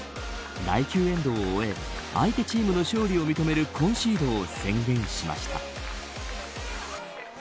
第９エンドを終え相手チームの勝利を認めるコンシードを宣言しました。